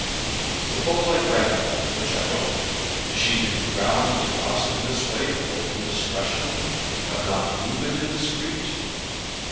"Suppose I granted that, which I don't, is she to be ground into dust in this way for indiscretion? Have not you been indiscreet?"